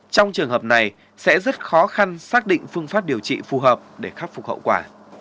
trong trường hợp này sẽ rất khó khăn xác định phương pháp điều trị phù hợp để khắc phục hậu quả